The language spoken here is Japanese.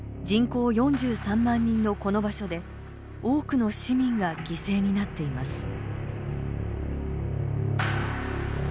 人口４３万人の、この場所で多くの市民が犠牲になっています。